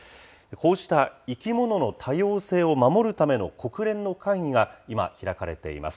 こうした生き物の多様性を守るための国連の会議が今、開かれています。